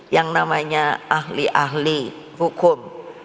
yang namanya ahli ahli hukum